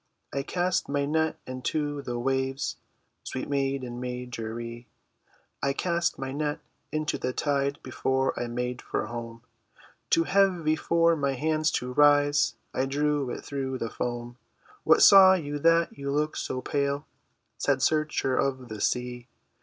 "I cast my net into the waves, Sweet maiden Marjorie. "I cast my net into the tide, Before I made for home; Too heavy for my hands to raise, I drew it through the foam." "What saw you that you look so pale, Sad searcher of the sea?"